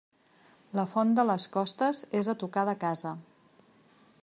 La font de les Costes és a tocar de casa.